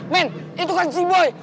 men itu kan si boy